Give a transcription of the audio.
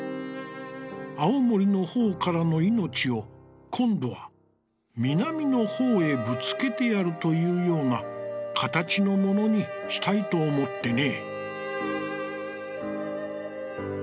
青森の方からのいのちを、こんどは南のほうへぶつけてやるというような形のものにしたいと思ってね」。